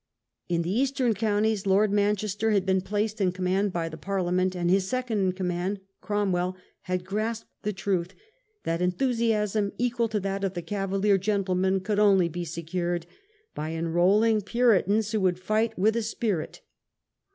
In the eastern counties Lord Manchester had been placed in command by the Parliament, and his second in command, Cromwell, had grasped the truth, that enthusiasm, equal to that of the Cavalier gentlemen, could only be secured by enrolling Puritans who would fight with "a spirit".